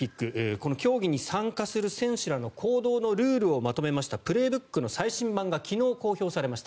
この競技に参加する選手らの行動のルールをまとめた「プレーブック」の最新版が昨日公表されました。